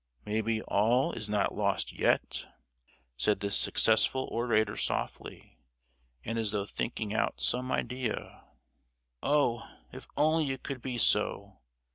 "Maybe all is not lost yet!" said this successful orator softly, and as though thinking out some idea. "Oh! if only it could be so!